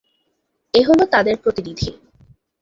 এ হলো তাদের প্রতিনিধি।